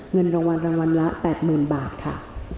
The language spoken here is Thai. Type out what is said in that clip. เงินรางวัลรางวัลละ๘๐๐๐บาทค่ะ